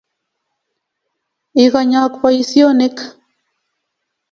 Ikonyok boisionik